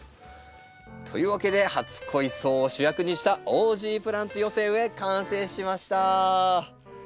というわけで初恋草を主役にしたオージープランツ寄せ植え完成しました。